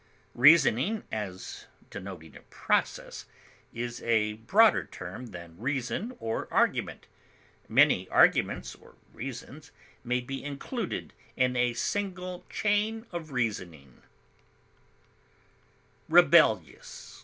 Reasoning, as denoting a process, is a broader term than reason or argument; many arguments or reasons may be included in a single chain of reasoning. REBELLIOUS.